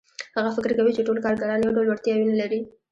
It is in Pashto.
هغه فکر کوي چې ټول کارګران یو ډول وړتیاوې نه لري